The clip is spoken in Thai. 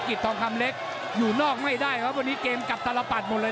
ทองคำเล็กอยู่นอกไม่ได้ครับวันนี้เกมกับตลปัดหมดเลย